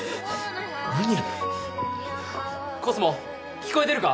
聞こえてるか？